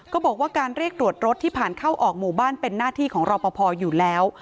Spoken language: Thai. ก็บอกว่าการเรียกตรวจรถที่ผ่านเข้าออกหมู่บ้านเป็นหน้าที่ของรอปภอยู่แล้ว